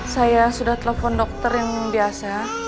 saya sudah telepon dokter yang biasa